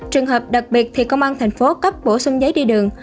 trường hợp đặc biệt thì công an tp cấp bổ sung giấy đi đường